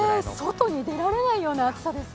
外に出られないような暑さですね。